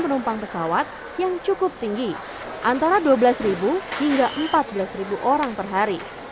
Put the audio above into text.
penumpang pesawat yang cukup tinggi antara dua belas hingga empat belas orang per hari